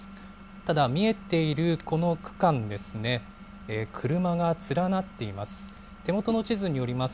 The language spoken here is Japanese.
ただ見えているこの区間ですね、車が連なっています。